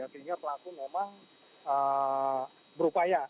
artinya pelaku memang berupaya